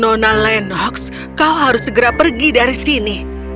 nona lenox kau harus segera pergi dari sini